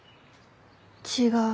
違う。